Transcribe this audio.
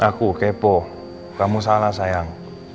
aku kepo kamu salah sayang